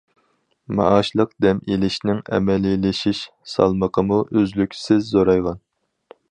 مائاشلىق دەم ئېلىشنىڭ ئەمەلىيلىشىش سالمىقىمۇ ئۈزلۈكسىز زورايغان.